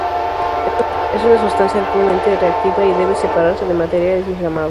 Es una sustancia altamente reactiva y debe separarse de materiales inflamables.